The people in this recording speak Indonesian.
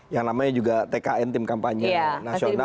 yang namanya juga tkn tim kampanye nasional